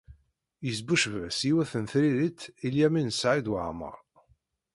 Yesbucbec-as yiwet n tririt i Lyamin n Saɛid Waɛmeṛ.